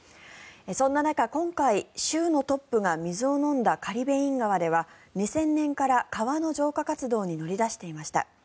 そんな中、今回州のトップが水を飲んだカリベイン川では２０００年から川の浄化活動に乗り出していました。